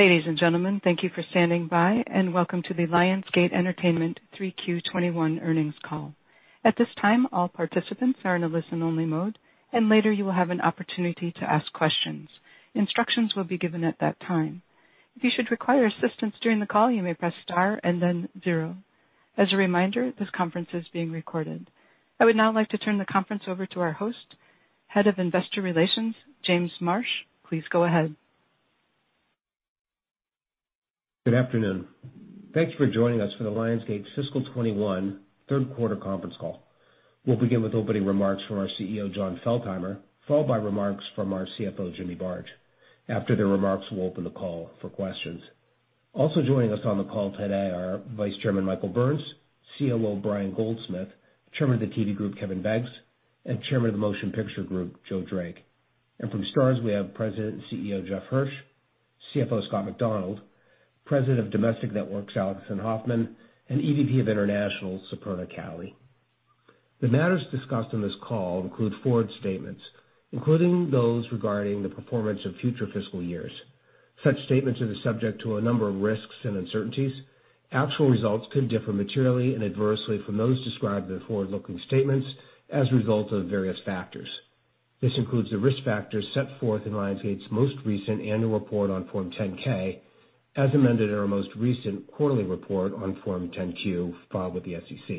Ladies and gentlemen, thank you for standing by. Welcome to the Lionsgate Entertainment 3Q21 Earnings Call. At this time, all participants are in a listen-only mode. Later you will have an opportunity to ask questions. Instructions will be given at that time. As a reminder, this conference is being recorded. I would now like to turn the conference over to our host, Head of Investor Relations, James Marsh. Please go ahead. Good afternoon. Thanks for joining us for the Lionsgate fiscal 2021 third quarter conference call. We'll begin with opening remarks from our CEO Jon Feltheimer, followed by remarks from our CFO Jimmy Barge. After their remarks, we'll open the call for questions. Also joining us on the call today are Vice Chairman Michael Burns, COO Brian Goldsmith, Chairman of the TV Group Kevin Beggs, and Chairman of the Motion Picture Group Joe Drake. From Starz, we have President and CEO Jeff Hirsch, CFO Scott Macdonald, President of Domestic Networks Alison Hoffman, and EVP of International Superna Kalle. The matters discussed on this call include forward-looking statements, including those regarding the performance of future fiscal years. Such statements are subject to a number of risks and uncertainties. Actual results could differ materially and adversely from those described in the forward-looking statements as a result of various factors. This includes the risk factors set forth in Lionsgate's most recent annual report on Form 10-K, as amended in our most recent quarterly report on Form 10-Q filed with the SEC.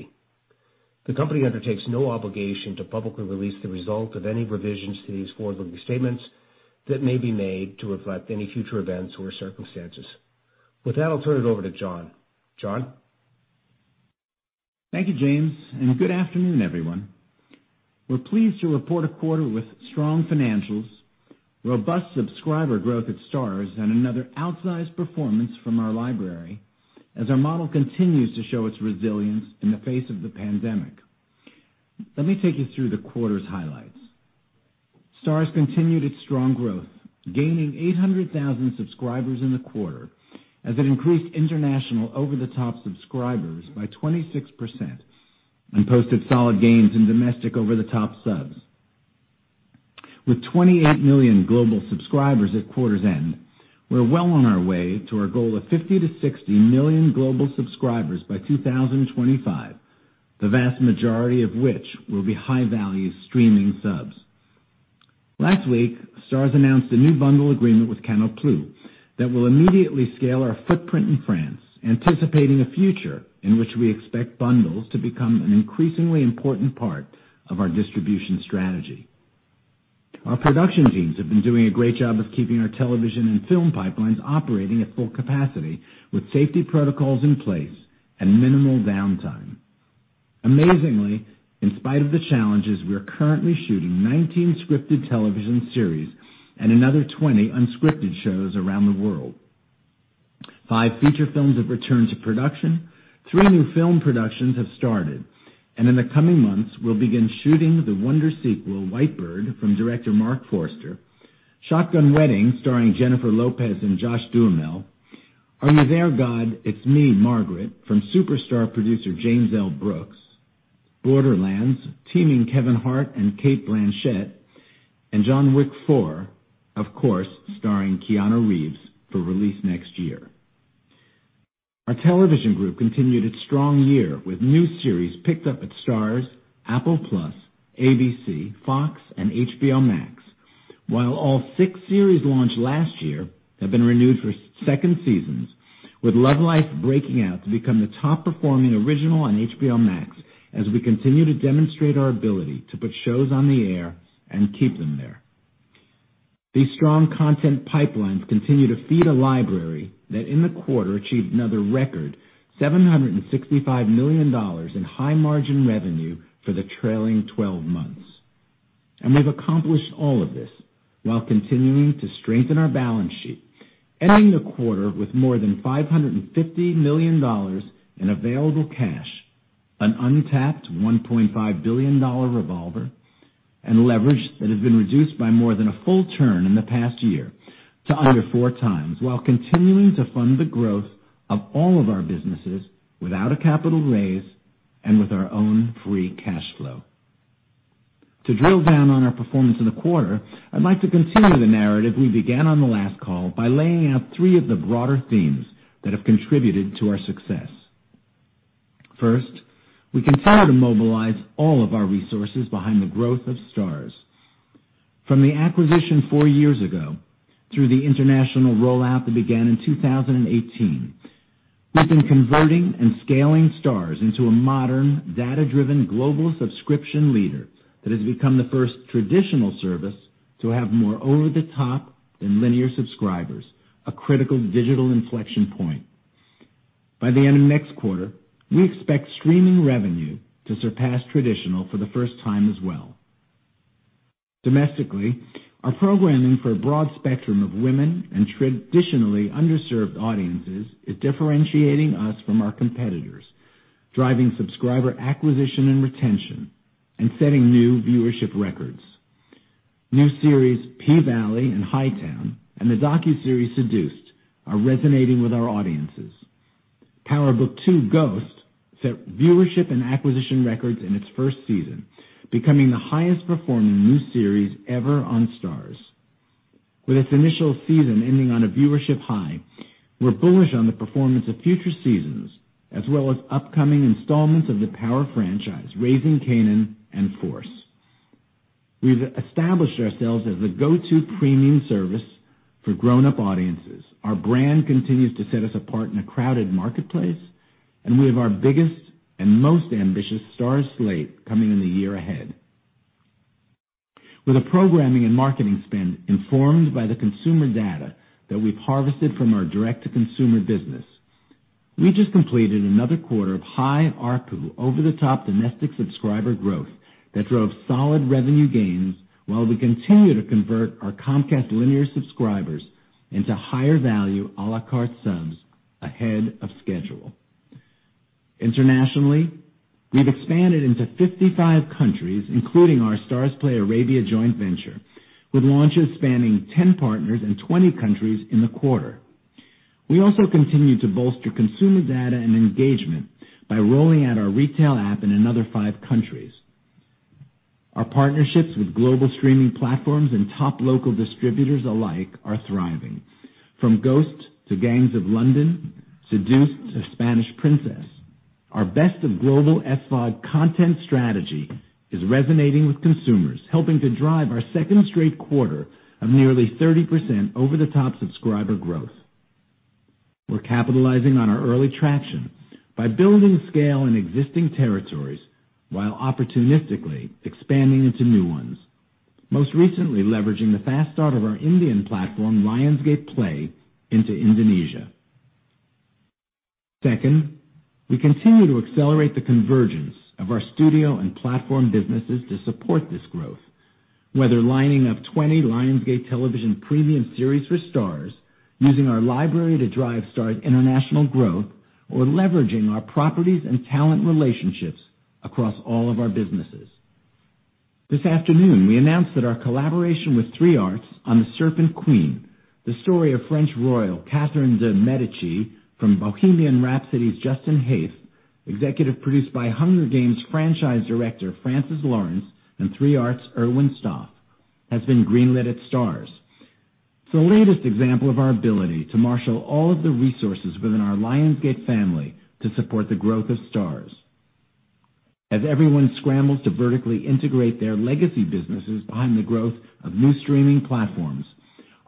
The company undertakes no obligation to publicly release the result of any revisions to these forward-looking statements that may be made to reflect any future events or circumstances. With that, I'll turn it over to Jon. Jon? Thank you, James. Good afternoon, everyone. We're pleased to report a quarter with strong financials, robust subscriber growth at Starz, another outsized performance from our library as our model continues to show its resilience in the face of the pandemic. Let me take you through the quarter's highlights. Starz continued its strong growth, gaining 800,000 subscribers in the quarter as it increased international over-the-top subscribers by 26% and posted solid gains in domestic over-the-top subs. With 28 million global subscribers at quarter's end, we're well on our way to our goal of 50 million-60 million global subscribers by 2025, the vast majority of which will be high-value streaming subs. Last week, Starz announced a new bundle agreement with Canal+ that will immediately scale our footprint in France, anticipating a future in which we expect bundles to become an increasingly important part of our distribution strategy. Our production teams have been doing a great job of keeping our television and film pipelines operating at full capacity with safety protocols in place and minimal downtime. Amazingly, in spite of the challenges, we are currently shooting 19 scripted television series and another 20 unscripted shows around the world. Five feature films have returned to production, three new film productions have started, and in the coming months, we'll begin shooting the "Wonder" sequel, "White Bird," from director Marc Forster, "Shotgun Wedding," starring Jennifer Lopez and Josh Duhamel, "Are You There, God? It's Me, Margaret," from superstar producer James L. Brooks, "Borderlands" teaming Kevin Hart and Cate Blanchett, and "John Wick 4," of course, starring Keanu Reeves, for release next year. Our Television Group continued its strong year with new series picked up at Starz, Apple+, ABC, Fox, and HBO Max, while all six series launched last year have been renewed for second seasons, with "Love Life" breaking out to become the top-performing original on HBO Max as we continue to demonstrate our ability to put shows on the air and keep them there. These strong content pipelines continue to feed a library that in the quarter achieved another record $765 million in high-margin revenue for the trailing 12 months. We've accomplished all of this while continuing to strengthen our balance sheet, ending the quarter with more than $550 million in available cash, an untapped $1.5 billion revolver, and leverage that has been reduced by more than a full turn in the past year to under four times while continuing to fund the growth of all of our businesses without a capital raise and with our own free cash flow. To drill down on our performance in the quarter, I'd like to continue the narrative we began on the last call by laying out three of the broader themes that have contributed to our success. First, we continue to mobilize all of our resources behind the growth of Starz. From the acquisition four years ago through the international rollout that began in 2018, we've been converting and scaling Starz into a modern, data-driven global subscription leader that has become the first traditional service to have more over-the-top than linear subscribers, a critical digital inflection point. By the end of next quarter, we expect streaming revenue to surpass traditional for the first time as well. Domestically, our programming for a broad spectrum of women and traditionally underserved audiences is differentiating us from our competitors, driving subscriber acquisition and retention, and setting new viewership records. New series "P-Valley" and "Hightown" and the docuseries "Seduced" are resonating with our audiences. "Power Book II: Ghost" set viewership and acquisition records in its first season, becoming the highest performing new series ever on Starz. With its initial season ending on a viewership high, we're bullish on the performance of future seasons, as well as upcoming installments of the Power franchise, "Raising Kanan" and "Force." We've established ourselves as the go-to premium service for grown-up audiences. Our brand continues to set us apart in a crowded marketplace, and we have our biggest and most ambitious Starz slate coming in the year ahead. With a programming and marketing spend informed by the consumer data that we've harvested from our direct-to-consumer business, we just completed another quarter of high ARPU, over-the-top domestic subscriber growth that drove solid revenue gains while we continue to convert our Comcast linear subscribers into higher-value, à la carte subs ahead of schedule. Internationally, we've expanded into 55 countries, including our Starzplay Arabia joint venture, with launches spanning 10 partners and 20 countries in the quarter. We also continue to bolster consumer data and engagement by rolling out our retail app in another five countries. Our partnerships with global streaming platforms and top local distributors alike are thriving. From "Ghost" to "Gangs of London," "Seduced" to "The Spanish Princess," our best of global SVOD content strategy is resonating with consumers, helping to drive our second straight quarter of nearly 30% over-the-top subscriber growth. We're capitalizing on our early traction by building scale in existing territories while opportunistically expanding into new ones. Most recently leveraging the fast start of our Indian platform, Lionsgate Play, into Indonesia. Second, we continue to accelerate the convergence of our studio and platform businesses to support this growth. Whether lining up 20 Lionsgate Television premium series for Starz, using our library to drive Starz international growth, or leveraging our properties and talent relationships across all of our businesses. This afternoon, we announced that our collaboration with 3 Arts on "The Serpent Queen", the story of French royal Catherine de Medici from Bohemian Rhapsody's Justin Haythe, executive produced by Hunger Games franchise director Francis Lawrence and 3 Arts' Erwin Stoff, has been green-lit at Starz. It's the latest example of our ability to marshal all of the resources within our Lionsgate family to support the growth of Starz. As everyone scrambles to vertically integrate their legacy businesses behind the growth of new streaming platforms,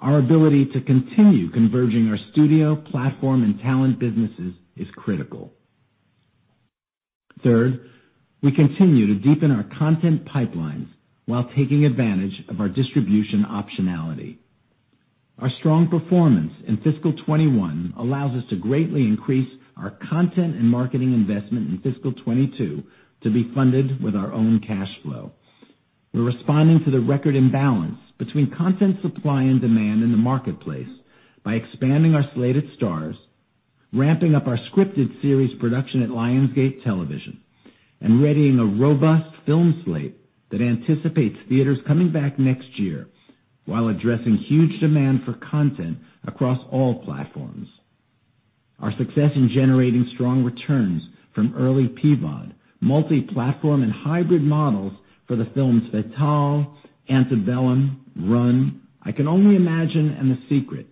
our ability to continue converging our studio, platform, and talent businesses is critical. We continue to deepen our content pipelines while taking advantage of our distribution optionality. Our strong performance in fiscal 2021 allows us to greatly increase our content and marketing investment in fiscal 2022 to be funded with our own cash flow. We're responding to the record imbalance between content supply and demand in the marketplace by expanding our slate at Starz, ramping up our scripted series production at Lionsgate Television, and readying a robust film slate that anticipates theaters coming back next year, while addressing huge demand for content across all platforms. Our success in generating strong returns from early PVOD, multi-platform and hybrid models for the films "Fatale", "Antebellum", "Run", "I Can Only Imagine", and "The Secret"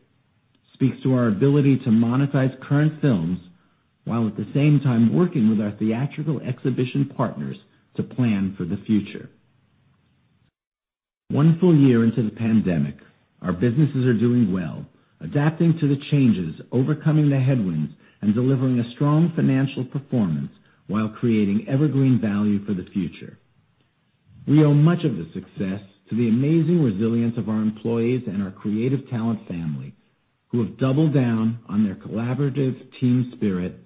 speaks to our ability to monetize current films, while at the same time working with our theatrical exhibition partners to plan for the future. One full year into the pandemic, our businesses are doing well, adapting to the changes, overcoming the headwinds, and delivering a strong financial performance while creating evergreen value for the future. We owe much of the success to the amazing resilience of our employees and our creative talent family, who have doubled down on their collaborative team spirit,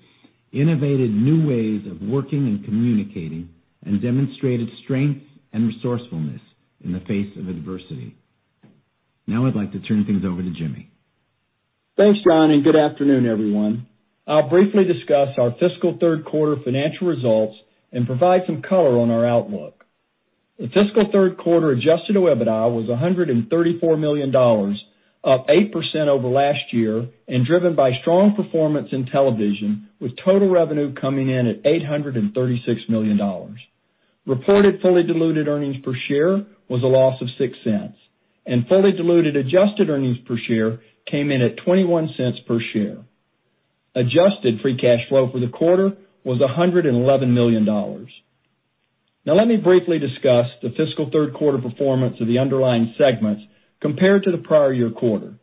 innovated new ways of working and communicating, and demonstrated strength and resourcefulness in the face of adversity. I'd like to turn things over to Jimmy. Thanks, Jon, good afternoon, everyone. I'll briefly discuss our fiscal third quarter financial results and provide some color on our outlook. The fiscal third quarter adjusted OIBDA was $134 million, up 8% over last year, and driven by strong performance in television, with total revenue coming in at $836 million. Reported fully diluted earnings per share was a loss of $0.06, and fully diluted adjusted earnings per share came in at $0.21 per share. Adjusted free cash flow for the quarter was $111 million. Let me briefly discuss the fiscal third quarter performance of the underlying segments compared to the prior year quarter.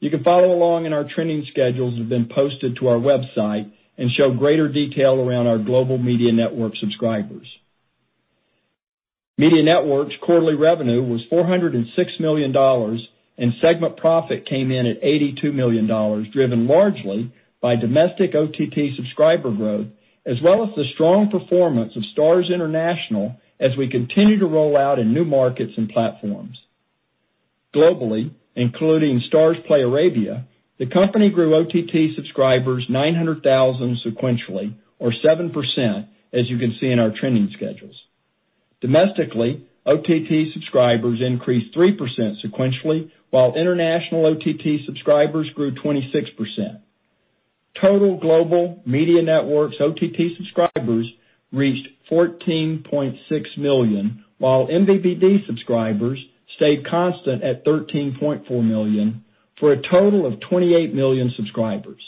You can follow along in our trending schedules that have been posted to our website and show greater detail around our global Media Networks subscribers. Media Networks' quarterly revenue was $406 million, segment profit came in at $82 million, driven largely by domestic OTT subscriber growth, as well as the strong performance of Starz International as we continue to roll out in new markets and platforms. Globally, including Starzplay Arabia, the company grew OTT subscribers 900,000 sequentially or 7%, as you can see in our trending schedules. Domestically, OTT subscribers increased 3% sequentially, while international OTT subscribers grew 26%. Total global Media Networks OTT subscribers reached 14.6 million, while MVPD subscribers stayed constant at 13.4 million, for a total of 28 million subscribers.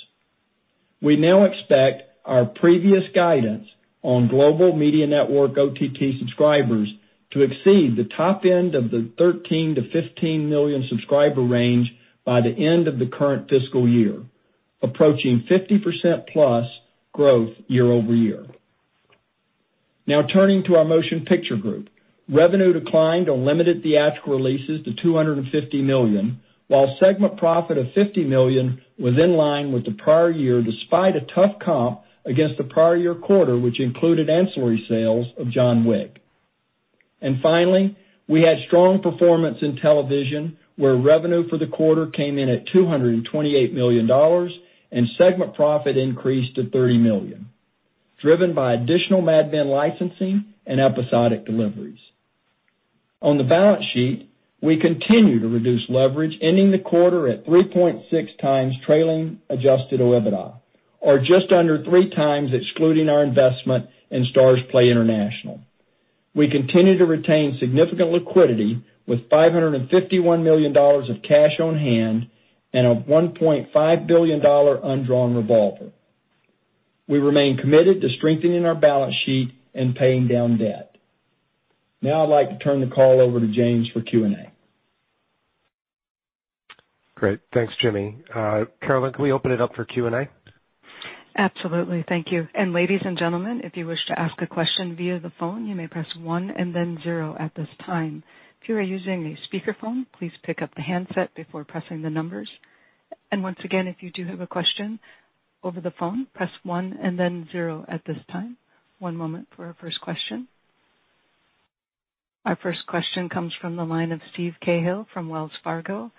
We now expect our previous guidance on global Media Networks OTT subscribers to exceed the top end of the 13 million-15 million subscriber range by the end of the current fiscal year, approaching 50%+ growth year-over-year. Turning to our Motion Picture Group. Revenue declined on limited theatrical releases to $250 million, while segment profit of $50 million was in line with the prior year despite a tough comp against the prior year quarter, which included ancillary sales of John Wick. Finally, we had strong performance in television, where revenue for the quarter came in at $228 million and segment profit increased to $30 million, driven by additional Mad Men licensing and episodic deliveries. On the balance sheet, we continue to reduce leverage, ending the quarter at 3.6x trailing adjusted OIBDA, or just under 3x excluding our investment in Starzplay International. We continue to retain significant liquidity with $551 million of cash on hand and a $1.5 billion undrawn revolver. We remain committed to strengthening our balance sheet and paying down debt. Now I'd like to turn the call over to James for Q&A. Great. Thanks, Jimmy. Carolyn, can we open it up for Q&A? Absolutely. Thank you. Ladies and gentlemen, if you wish to ask a question via the phone, you may press 1 and then 0 at this time. If you are using a speakerphone, please pick up the handset before pressing the numbers. Once again, if you do have a question over the phone, press 1 and then 0 at this time. One moment for our first question. Our first question comes from the line of Steve Cahall from Wells Fargo.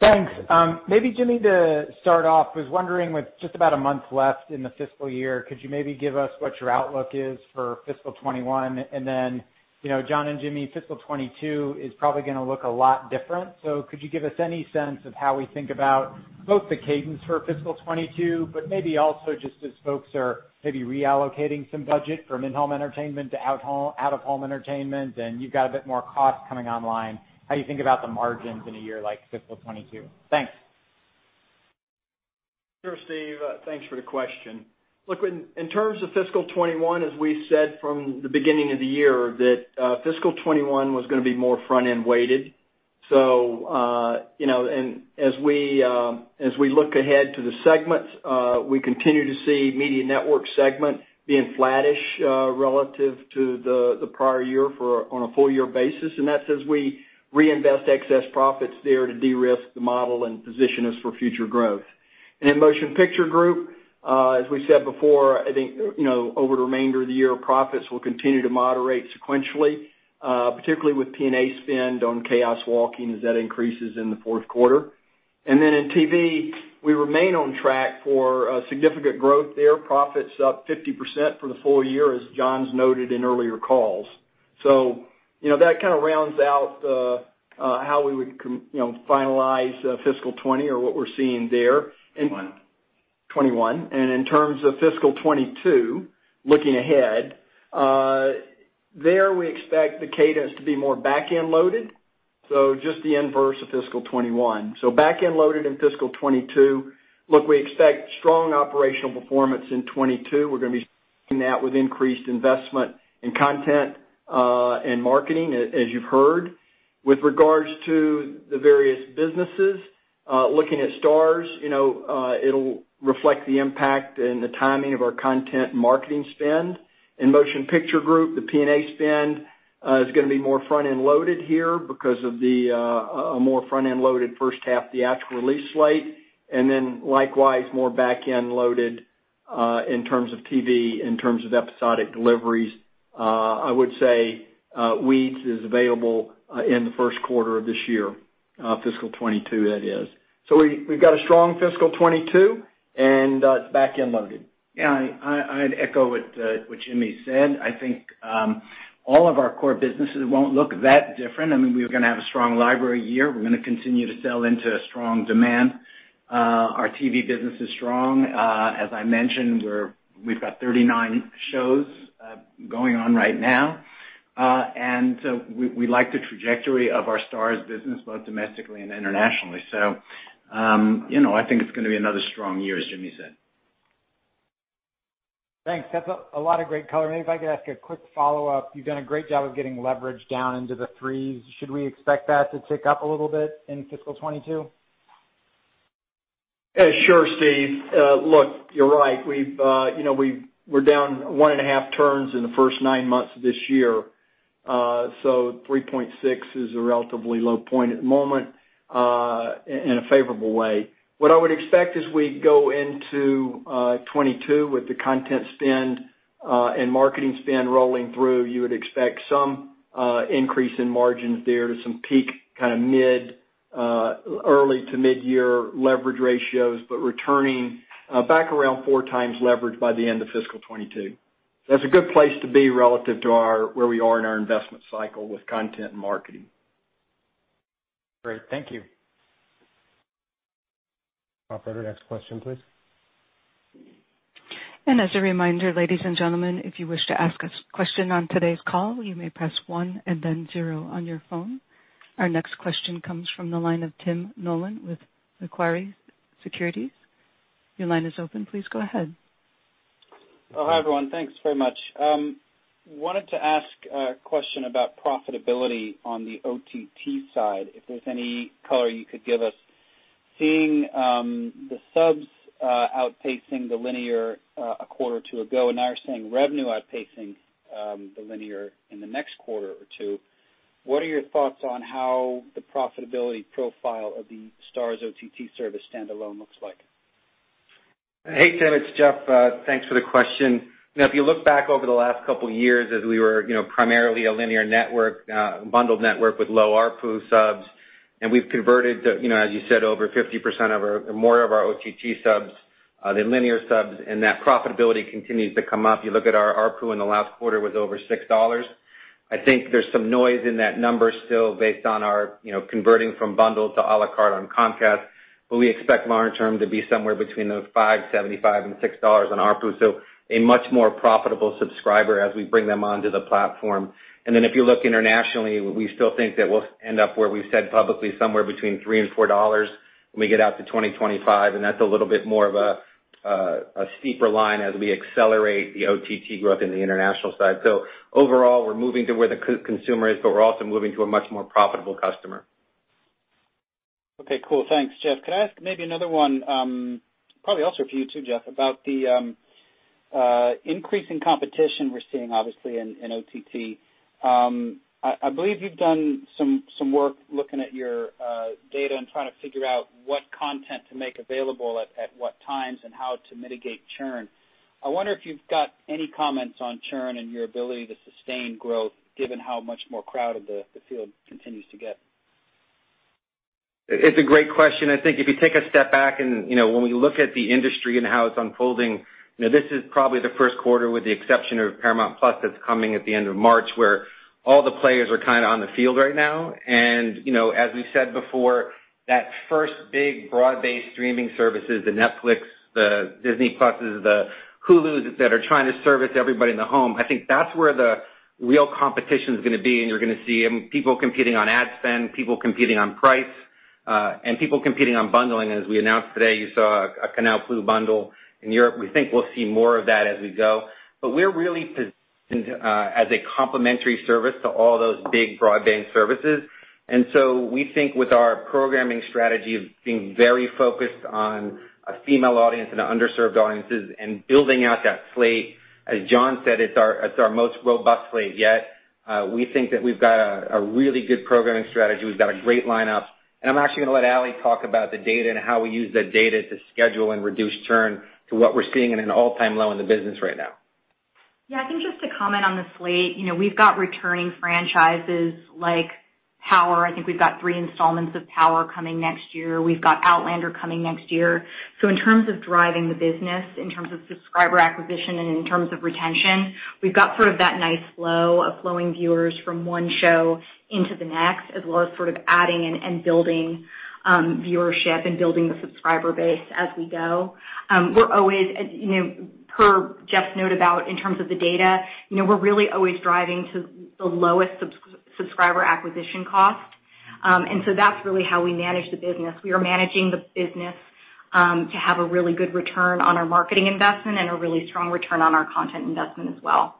Thanks. Maybe Jimmy, to start off, I was wondering, with just about one month left in the fiscal year, could you maybe give us what your outlook is for fiscal 2021? Then, Jon and Jimmy, fiscal 2022 is probably going to look a lot different. Could you give us any sense of how we think about both the cadence for fiscal 2022, but maybe also just as folks are maybe reallocating some budget from in-home entertainment to out-of-home entertainment and you've got a bit more cost coming online, how you think about the margins in a year like fiscal 2022? Thanks. Sure, Steve. Thanks for the question. Look, in terms of fiscal 2021, as we said from the beginning of the year, that fiscal 2021 was going to be more front-end weighted. As we look ahead to the segments, we continue to see Media Networks segment being flattish relative to the prior year on a full year basis. That's as we reinvest excess profits there to de-risk the model and position us for future growth. In Motion Picture Group, as we said before, I think over the remainder of the year, profits will continue to moderate sequentially, particularly with P&A spend on "Chaos Walking" as that increases in the fourth quarter. Then in TV, we remain on track for significant growth there. Profit's up 50% for the full year, as Jon's noted in earlier calls. That kind of rounds out how we would finalize fiscal 2020 or what we're seeing there. '21. 2021. In terms of fiscal 2022, looking ahead, there we expect the cadence to be more back-end loaded, so just the inverse of fiscal 2021. Back-end loaded in fiscal 2022. Look, we expect strong operational performance in 2022. We're going to be seeing that with increased investment in content and marketing, as you've heard. With regards to the various businesses, looking at Starz, it'll reflect the impact and the timing of our content marketing spend. In Motion Picture Group, the P&A spend is going to be more front-end loaded here because of the more front-end loaded first half theatrical release slate. Then likewise, more back-end loaded in terms of TV, in terms of episodic deliveries. I would say "Weeds" is available in the first quarter of this year, fiscal 2022, that is. We've got a strong fiscal 2022, and it's back-end loaded. I'd echo what Jimmy said. I think all of our core businesses won't look that different. We are going to have a strong library year. We're going to continue to sell into a strong demand. Our TV business is strong. As I mentioned, we've got 39 shows going on right now. We like the trajectory of our Starz business, both domestically and internationally. I think it's going to be another strong year, as Jimmy said. Thanks. That's a lot of great color. Maybe if I could ask a quick follow-up. You've done a great job of getting leverage down into the threes. Should we expect that to tick up a little bit in fiscal 2022? Yeah, sure, Steve. Look, you're right. We're down one and a half turns in the first nine months of this year. 3.6 is a relatively low point at the moment in a favorable way. What I would expect as we go into 2022 with the content spend and marketing spend rolling through, you would expect some increase in margins there to some peak kind of early to mid-year leverage ratios, returning back around four times leverage by the end of fiscal 2022. That's a good place to be relative to where we are in our investment cycle with content and marketing. Great. Thank you. Operator, next question, please. As a reminder, ladies and gentlemen, if you wish to ask a question on today's call, you may press one and then zero on your phone. Our next question comes from the line of Tim Nollen with Macquarie Securities. Your line is open. Please go ahead. Oh, hi, everyone. Thanks very much. I wanted to ask a question about profitability on the OTT side, if there's any color you could give us. Seeing the subs outpacing the linear a quarter or two ago, now you're saying revenue outpacing the linear in the next quarter or two, what are your thoughts on how the profitability profile of the Starz OTT service standalone looks like? Hey, Tim, it's Jeff. Thanks for the question. If you look back over the last couple of years, as we were primarily a linear network, bundled network with low ARPU subs, and we've converted to, as you said, over 50% of our, more of our OTT subs than linear subs, and that profitability continues to come up. You look at our ARPU in the last quarter was over $6. I think there's some noise in that number still based on our converting from bundled to a la carte on Comcast, but we expect long term to be somewhere between the $5.75 and $6 on ARPU. A much more profitable subscriber as we bring them onto the platform. If you look internationally, we still think that we'll end up where we've said publicly, somewhere between $3 and $4 when we get out to 2025. That's a little bit more of a steeper line as we accelerate the OTT growth in the international side. Overall, we're moving to where the consumer is, but we're also moving to a much more profitable customer. Okay, cool. Thanks, Jeff. Could I ask maybe another one, probably also for you too, Jeff, about the increasing competition we're seeing, obviously, in OTT. I believe you've done some work looking at your data and trying to figure out what content to make available at what times and how to mitigate churn. I wonder if you've got any comments on churn and your ability to sustain growth given how much more crowded the field continues to get. It's a great question. I think if you take a step back and when we look at the industry and how it's unfolding, this is probably the first quarter, with the exception of Paramount+ that's coming at the end of March, where all the players are on the field right now. As we've said before, that first big broad-based streaming services, the Netflix, the Disney+, the Hulu that are trying to service everybody in the home, I think that's where the real competition's going to be and you're going to see people competing on ad spend, people competing on price, and people competing on bundling. As we announced today, you saw a Canal+ bundle in Europe. We think we'll see more of that as we go. We're really positioned as a complimentary service to all those big broadband services. We think with our programming strategy of being very focused on a female audience and the underserved audiences and building out that slate, as Jon said, it's our most robust slate yet. We think that we've got a really good programming strategy. We've got a great lineup. I'm actually going to let Ali talk about the data and how we use that data to schedule and reduce churn to what we're seeing in an all-time low in the business right now. Yeah, I think just to comment on the slate. We've got returning franchises like Power. I think we've got three installments of Power coming next year. We've got Outlander coming next year. In terms of driving the business, in terms of subscriber acquisition and in terms of retention, we've got sort of that nice flow of flowing viewers from one show into the next, as well as sort of adding and building viewership and building the subscriber base as we go. Per Jeff's note about in terms of the data, we're really always driving to the lowest subscriber acquisition cost. That's really how we manage the business. We are managing the business to have a really good return on our marketing investment and a really strong return on our content investment as well.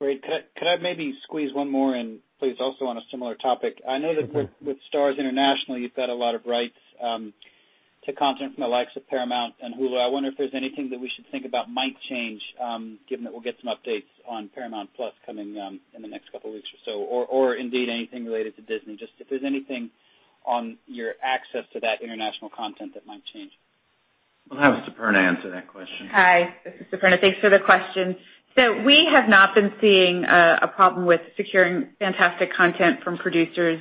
Great. Could I maybe squeeze one more in, please, also on a similar topic? I know that with Starz internationally, you've got a lot of rights to content from the likes of Paramount and Hulu. I wonder if there's anything that we should think about might change, given that we'll get some updates on Paramount+ coming in the next couple weeks or so, or indeed anything related to Disney. Just if there's anything on your access to that international content that might change. We'll have Superna answer that question. Hi, this is Superna. Thanks for the question. We have not been seeing a problem with securing fantastic content from producers.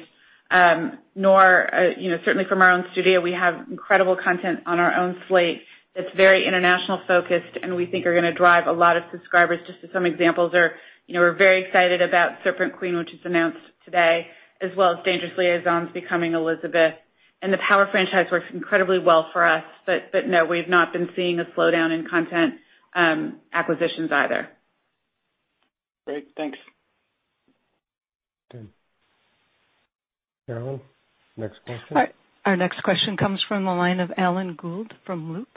Certainly from our own studio, we have incredible content on our own slate that's very international focused and we think are going to drive a lot of subscribers. Just as some examples are, we're very excited about Serpent Queen, which is announced today, as well as Dangerous Liaisons, Becoming Elizabeth. The Power franchise works incredibly well for us. No, we've not been seeing a slowdown in content acquisitions either. Great. Thanks. Okay. Carol, next question. Our next question comes from the line of Alan Gould from Loop.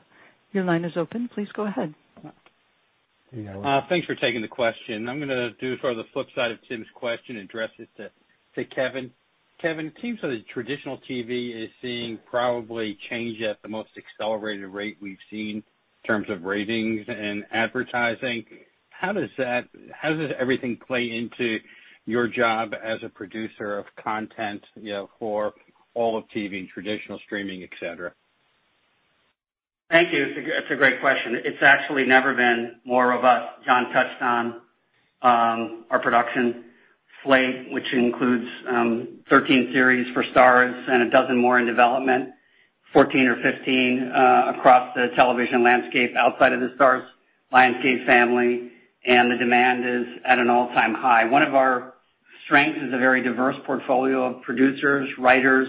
Your line is open. Please go ahead. Hey, Alan. Thanks for taking the question. I'm going to do sort of the flip side of Tim's question and address it to Kevin. Kevin, it seems that traditional TV is seeing probably change at the most accelerated rate we've seen in terms of ratings and advertising. How does everything play into your job as a producer of content for all of TV, traditional streaming, et cetera? Thank you. It's a great question. It's actually never been more robust. Jon touched on our production slate, which includes 13 series for Starz and a dozen more in development, 14 or 15 across the television landscape outside of the Starz Lionsgate family. The demand is at an all-time high. One of our strengths is a very diverse portfolio of producers, writers,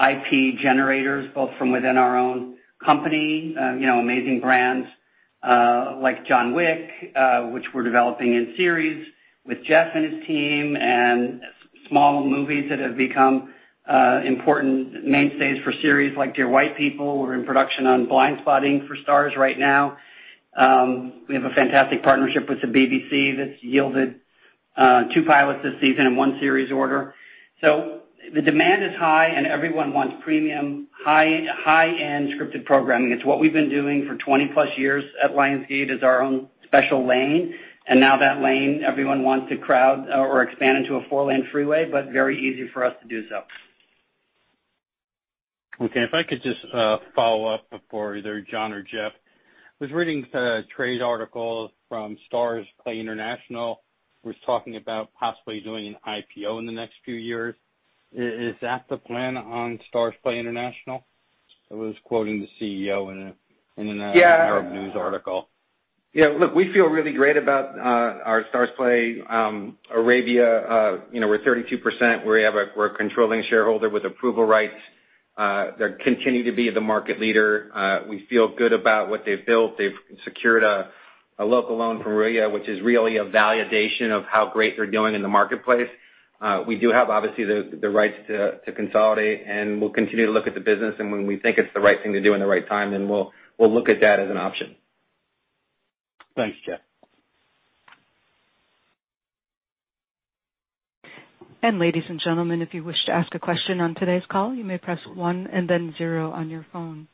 IP generators, both from within our own company, amazing brands like John Wick, which we're developing in series with Jeff and his team, and small movies that have become important mainstays for series like "Dear White People." We're in production on "Blindspotting" for Starz right now. We have a fantastic partnership with the BBC that's yielded two pilots this season and one series order. The demand is high, and everyone wants premium, high-end scripted programming. It's what we've been doing for 20-plus years at Lionsgate as our own special lane, and now that lane, everyone wants to crowd or expand into a four-lane freeway, but very easy for us to do so. Okay, if I could just follow up for either Jon or Jeff. I was reading a trade article from STARZPLAY International, was talking about possibly doing an IPO in the next few years. Is that the plan on STARZPLAY International News article? Yeah, look, we feel really great about our Starzplay Arabia. We're 32%, we're a controlling shareholder with approval rights. They continue to be the market leader. We feel good about what they've built. They've secured a local loan from Ruya, which is really a validation of how great they're doing in the marketplace. We do have, obviously, the rights to consolidate, and we'll continue to look at the business, and when we think it's the right thing to do and the right time, then we'll look at that as an option. Thanks, Jeff. Ladies and gentlemen, if you wish to ask a question on today's call, you may press one and then zero on your phone.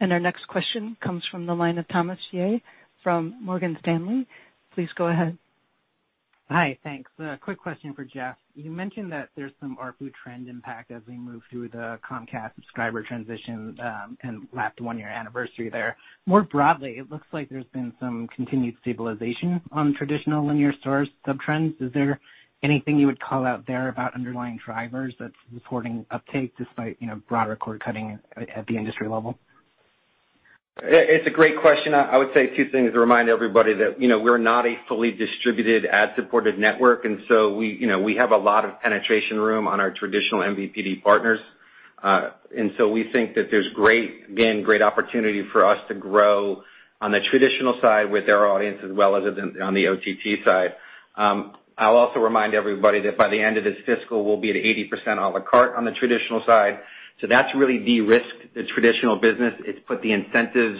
Our next question comes from the line of Thomas Yeh from Morgan Stanley. Please go ahead. Hi, thanks. A quick question for Jeff. You mentioned that there's some ARPU trend impact as we move through the Comcast subscriber transition and lapped one-year anniversary there. More broadly, it looks like there's been some continued stabilization on traditional linear Starz sub-trends. Is there anything you would call out there about underlying drivers that's supporting uptake despite broader cord cutting at the industry level? It's a great question. I would say two things to remind everybody that we're not a fully distributed ad-supported network, we have a lot of penetration room on our traditional MVPD partners. We think that there's, again, great opportunity for us to grow on the traditional side with our audience as well as on the OTT side. I'll also remind everybody that by the end of this fiscal, we'll be at 80% a la carte on the traditional side. That's really de-risked the traditional business. It's put the incentives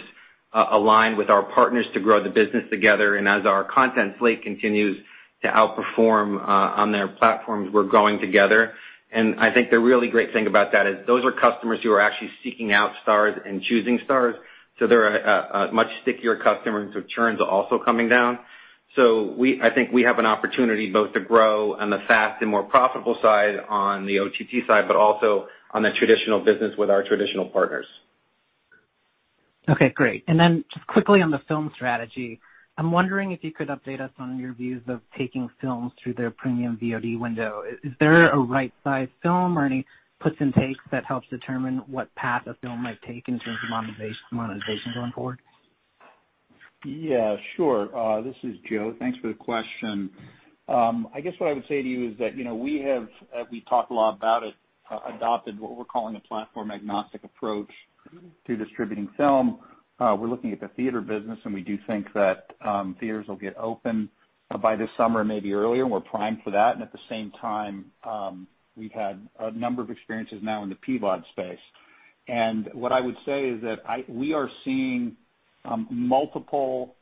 aligned with our partners to grow the business together, as our content slate continues to outperform on their platforms, we're growing together. I think the really great thing about that is those are customers who are actually seeking out Starz and choosing Starz. They're a much stickier customer, and so churns are also coming down. I think we have an opportunity both to grow on the fast and more profitable side on the OTT side, but also on the traditional business with our traditional partners. Okay, great. Just quickly on the film strategy, I'm wondering if you could update us on your views of taking films through their premium VOD window. Is there a right-sized film or any puts and takes that helps determine what path a film might take in terms of monetization going forward? Yeah, sure. This is Joe. Thanks for the question. I guess what I would say to you is that we have, as we talked a lot about it, adopted what we're calling a platform-agnostic approach to distributing film. We're looking at the theater business, and we do think that theaters will get open by this summer, maybe earlier. We're primed for that, and at the same time, we've had a number of experiences now in the PVOD space. What I would say is that we are seeing multiple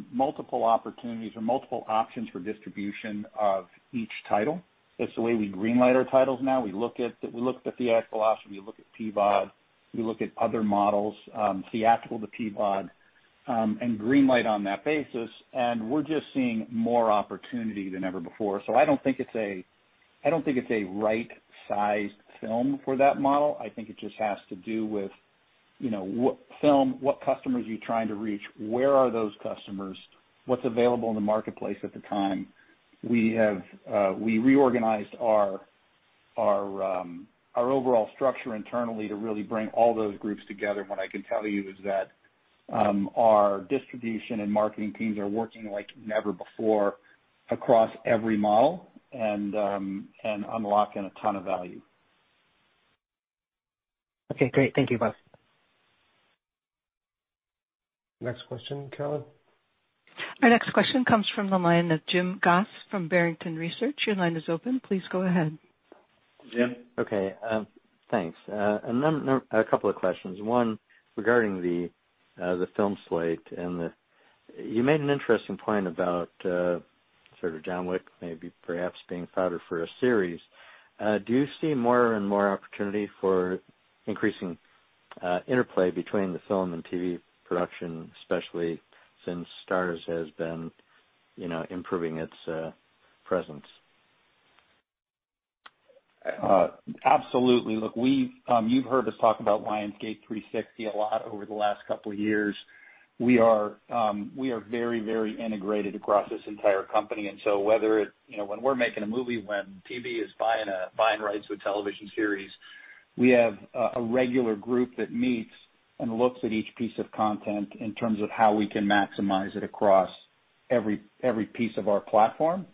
opportunities or multiple options for distribution of each title. That's the way we green light our titles now. We look at the theatrical option, we look at PVOD, we look at other models, theatrical to PVOD, and green light on that basis, and we're just seeing more opportunity than ever before. I don't think it's a right-sized film for that model. I think it just has to do with what film, what customers are you trying to reach, where are those customers, what's available in the marketplace at the time. We reorganized our overall structure internally to really bring all those groups together. What I can tell you is that our distribution and marketing teams are working like never before across every model and unlocking a ton of value. Okay, great. Thank you both. Next question, Caro. Our next question comes from the line of Jim Goss from Barrington Research. Your line is open. Please go ahead. Jim? Okay, thanks. A couple of questions. One, regarding the film slate, and you made an interesting point about John Wick maybe perhaps being fodder for a series. Do you see more and more opportunity for increasing interplay between the film and TV production, especially since Starz has been improving its presence? Absolutely. Look, you've heard us talk about Lionsgate 360 a lot over the last couple of years. We are very integrated across this entire company. When we're making a movie, when TV is buying rights to a television series, we have a regular group that meets and looks at each piece of content in terms of how we can maximize it across every piece of our platform.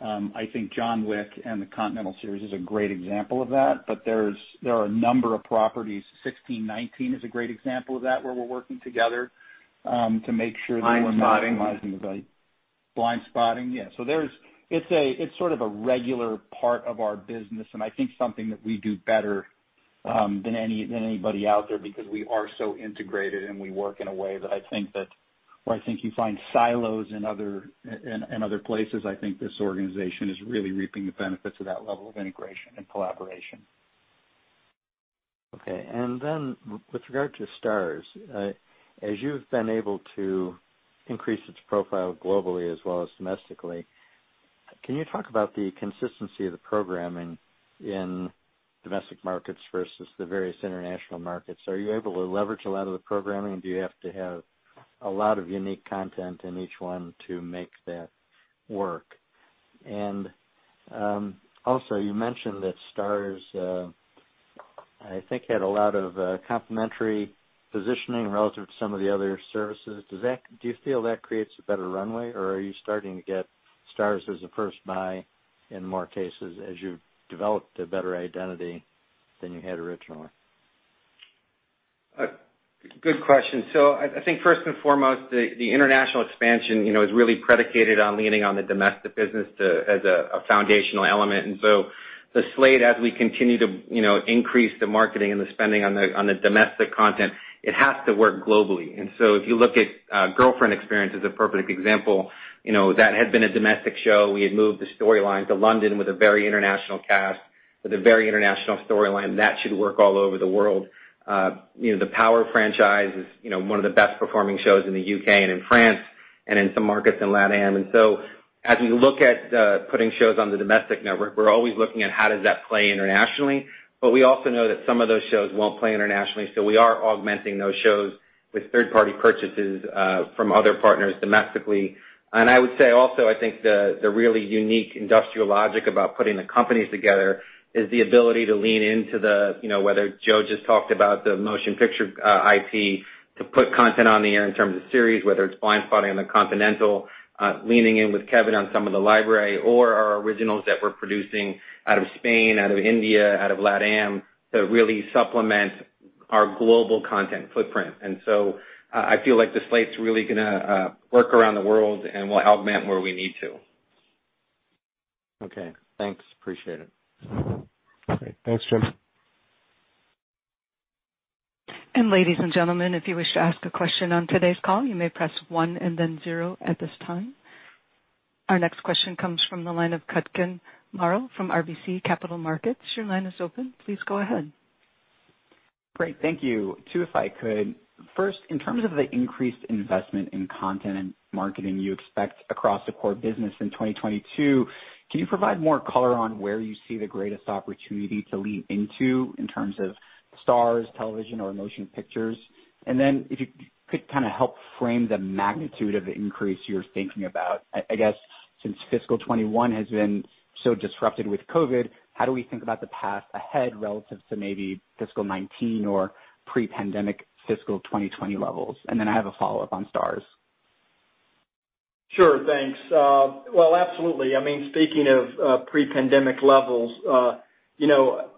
I think John Wick and The Continental series is a great example of that, but there are a number of properties. 1619 is a great example of that, where we're working together to make sure that we're. Blindspotting. Blindspotting. Yeah. It's sort of a regular part of our business, and I think something that we do better than anybody out there because we are so integrated, and we work in a way that I think you find silos in other places. I think this organization is really reaping the benefits of that level of integration and collaboration. Okay. With regard to Starz, as you've been able to increase its profile globally as well as domestically, can you talk about the consistency of the programming in domestic markets versus the various international markets? Are you able to leverage a lot of the programming? Do you have to have a lot of unique content in each one to make that work? Also, you mentioned that Starz, I think had a lot of complementary positioning relative to some of the other services. Do you feel that creates a better runway, or are you starting to get Starz as a first buy in more cases as you've developed a better identity than you had originally? Good question. I think first and foremost, the international expansion is really predicated on leaning on the domestic business as a foundational element. The slate, as we continue to increase the marketing and the spending on the domestic content, it has to work globally. If you look at The Girlfriend Experience as a perfect example, that had been a domestic show. We had moved the storyline to London with a very international cast, with a very international storyline that should work all over the world. The Power franchise is one of the best performing shows in the U.K. and in France and in some markets in LATAM. As we look at putting shows on the domestic network, we're always looking at how does that play internationally. We also know that some of those shows won't play internationally, so we are augmenting those shows with third-party purchases from other partners domestically. I would say also, I think the really unique industrial logic about putting the companies together is the ability to lean into the, whether Joe just talked about the motion picture IP to put content on the air in terms of series, whether it's Blindspotting or The Continental, leaning in with Kevin on some of the library or our originals that we're producing out of Spain, out of India, out of LATAM to really supplement our global content footprint. I feel like the slate's really going to work around the world, and we'll augment where we need to. Okay. Thanks, appreciate it. Great. Thanks, Jim. Ladies and gentlemen, if you wish to ask a question on today's call, you may press one and then zero at this time. Our next question comes from the line of Kutgun Maral from RBC Capital Markets. Your line is open. Please go ahead. Great. Thank you. Two if I could. In terms of the increased investment in content and marketing you expect across the core business in 2022, can you provide more color on where you see the greatest opportunity to lean into in terms of Starz, television, or motion pictures? If you could kind of help frame the magnitude of the increase you're thinking about. I guess since fiscal 2021 has been so disrupted with COVID, how do we think about the path ahead relative to maybe fiscal 2019 or pre-pandemic fiscal 2020 levels? I have a follow-up on Starz. Sure. Thanks. Absolutely. Speaking of pre-pandemic levels,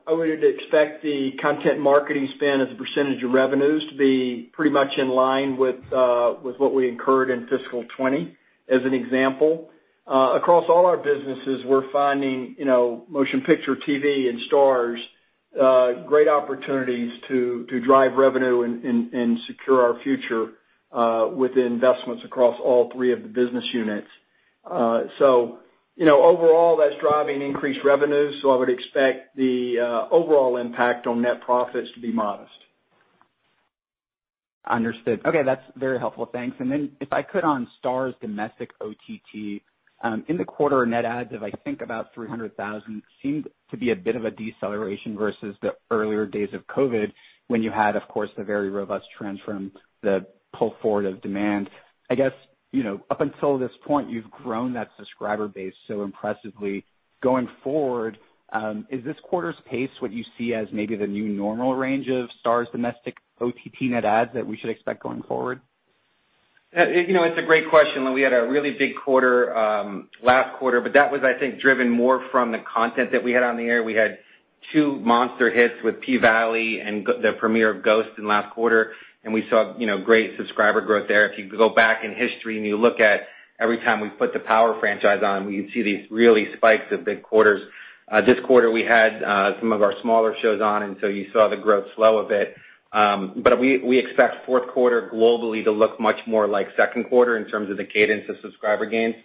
I would expect the content marketing spend as a percentage of revenues to be pretty much in line with what we incurred in fiscal 2020 as an example. Across all our businesses, we're finding motion picture, TV, and Starz great opportunities to drive revenue and secure our future with investments across all three of the business units. Overall, that's driving increased revenues. I would expect the overall impact on net profits to be modest. Understood. Okay, that's very helpful. Thanks. If I could on Starz domestic OTT. In the quarter, net adds of I think about 300,000 seemed to be a bit of a deceleration versus the earlier days of COVID when you had, of course, the very robust trend from the pull forward of demand. I guess, up until this point, you've grown that subscriber base so impressively. Going forward, is this quarter's pace what you see as maybe the new normal range of Starz domestic OTT net adds that we should expect going forward? It's a great question. We had a really big quarter last quarter, but that was, I think, driven more from the content that we had on the air. We had two monster hits with P-Valley and the premiere of Ghost in the last quarter, and we saw great subscriber growth there. If you go back in history and you look at every time we put the Power franchise on, we see these really spikes of big quarters. This quarter, we had some of our smaller shows on, and so you saw the growth slow a bit. We expect fourth quarter globally to look much more like second quarter in terms of the cadence of subscriber gains.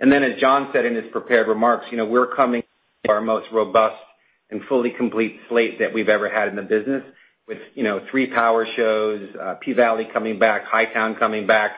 As Jon said in his prepared remarks, we're coming to our most robust and fully complete slate that we've ever had in the business with three Power shows, P-Valley coming back, Hightown coming back,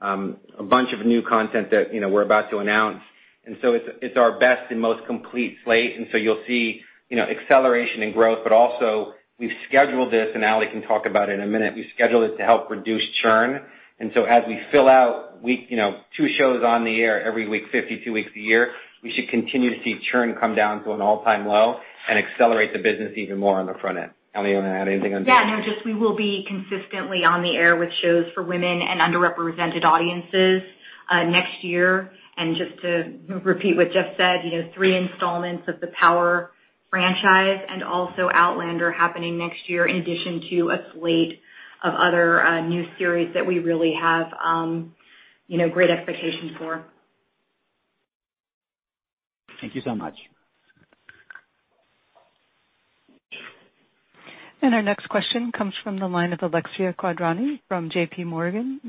a bunch of new content that we're about to announce. It's our best and most complete slate. You'll see acceleration in growth, but also we've scheduled this, and Ali can talk about it in a minute, we've scheduled it to help reduce churn. As we fill out two shows on the air every week, 52 weeks a year, we should continue to see churn come down to an all-time low and accelerate the business even more on the front end. Ali, you want to add anything on? Yeah, no, just we will be consistently on the air with shows for women and underrepresented audiences, next year. Just to repeat what Jeff said, three installments of the Power franchise and also Outlander happening next year in addition to a slate of other new series that we really have great expectations for. Thank you so much. Our next question comes from the line of Alexia Quadrani from JPMorgan.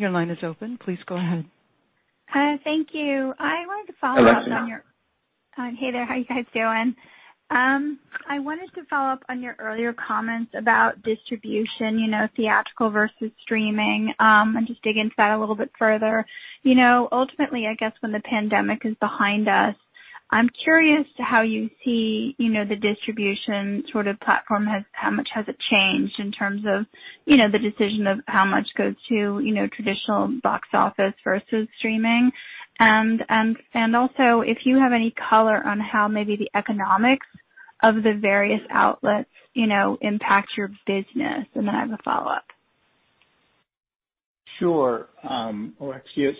Thank you. I wanted to follow up on. Hi, Alexia. Hey there. How you guys doing? I wanted to follow up on your earlier comments about distribution, theatrical versus streaming, and just dig into that a little bit further. Ultimately, I guess when the pandemic is behind us, I'm curious to how you see the distribution sort of platform, how much has it changed in terms of the decision of how much goes to traditional box office versus streaming? Also if you have any color on how maybe the economics of the various outlets impact your business. Then I have a follow-up. Sure. Alexia.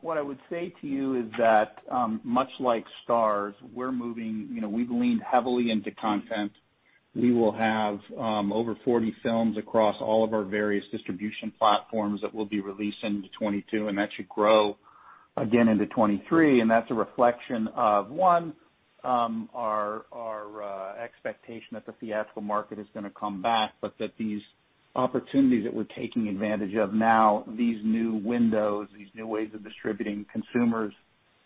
What I would say to you is that, much like Starz, we've leaned heavily into content. We will have over 40 films across all of our various distribution platforms that we'll be releasing to 2022, and that should grow again into 2023. That's a reflection of, one, our expectation that the theatrical market is going to come back, but that these opportunities that we're taking advantage of now, these new windows, these new ways of distributing consumers,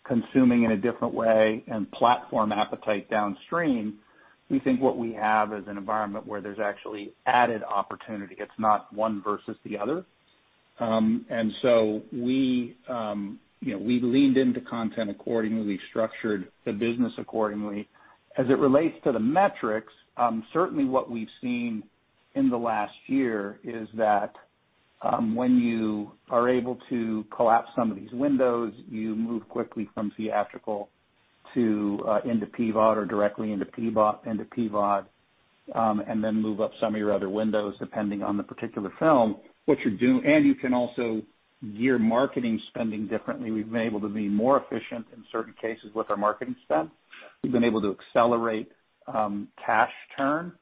consuming in a different way and platform appetite downstream. We think what we have is an environment where there's actually added opportunity. It's not one versus the other. We leaned into content accordingly, structured the business accordingly. As it relates to the metrics, certainly what we've seen in the last year is that, when you are able to collapse some of these windows, you move quickly from theatrical into PVOD or directly into PVOD, and then move up some of your other windows, depending on the particular film. You can also gear marketing spending differently. We've been able to be more efficient in certain cases with our marketing spend. We've been able to accelerate cash turn,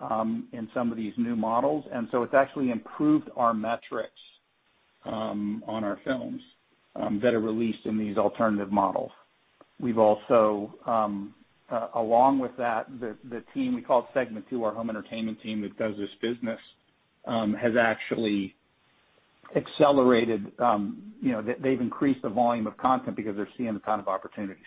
in some of these new models. It's actually improved our metrics on our films that are released in these alternative models. We've also, along with that, the team, we call it Segment 2, our home entertainment team that does this business, has actually accelerated. They've increased the volume of content because they're seeing the kind of opportunity.